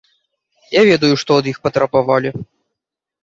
Я ведаю, што ад іх патрабавалі.